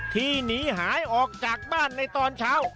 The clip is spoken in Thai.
ที่หนีหายออกจากบ้านในตอนเช้า